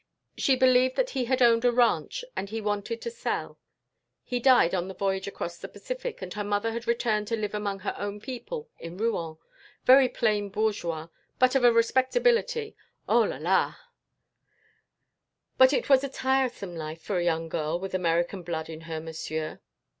She believed that he had owned a ranch that he wanted to sell. He died on the voyage across the Pacific and her mother had returned to live among her own people in Rouen very plain bourgeois, but of a respectability, Oh, là! là! "But it was a tiresome life for a young girl with American blood in her, monsieur."